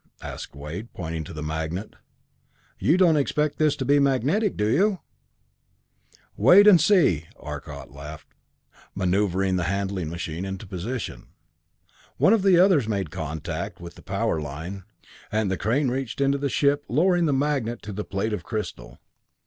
asked Wade, pointing to the magnet. "You don't expect this to be magnetic, do you?" "Wait and see!" laughed Arcot, maneuvering the handling machine into position. One of the others made contact with the power line, and the crane reached into the ship, lowering the magnet to the plate of crystal.